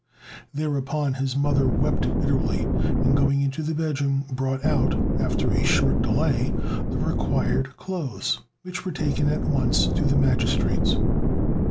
Thereupon his mother wept bitterly, and going into the bedroom, brought out, after a short delay, the required clothes, which were taken at once to the magistrate's.